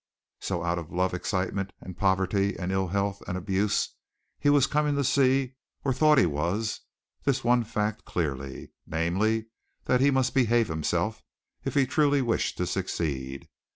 So out of love excitement and poverty and ill health and abuse he was coming to see or thought he was this one fact clearly, namely that he must behave himself if he truly wished to succeed.